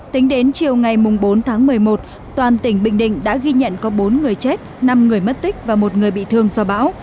tính đến chiều ngày bốn tháng một mươi một toàn tỉnh bình định đã ghi nhận có bốn người chết năm người mất tích và một người bị thương do bão